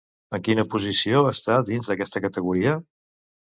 En quina posició està dins d'aquesta categoria?